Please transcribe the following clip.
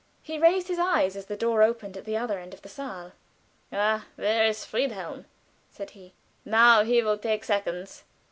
He raised his eyes as the door opened at the other end of the saal. "Ah, there is Friedhelm," said he, "now he will take seconds."